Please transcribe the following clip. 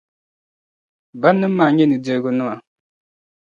Bannim’ maa n-nyɛ nudirgu nima.